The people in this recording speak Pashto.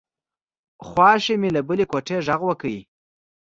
خواښې مې له بلې کوټې غږ کړ.